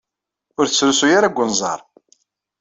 Ur t-srusuy ara deg unẓar.